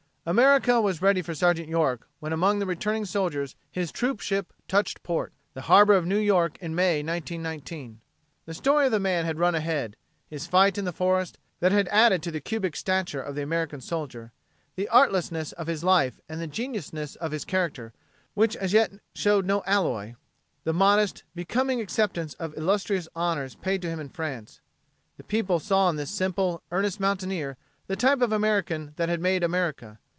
America was ready for Sergeant York when among the returning soldiers his troop ship touched port the harbor of New York in May, 1919. The story of the man had run ahead his fight in the forest, that had added to the cubic stature of the American soldier; the artlessness of his life and the genuineness of his character, which as yet showed no alloy; the modest, becoming acceptance of illustrious honors paid to him in France. The people saw in this simple, earnest mountaineer the type of American that had made America.